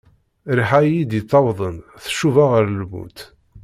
Rriḥa iyi-d-yettawḍen tcuba ɣer lmut.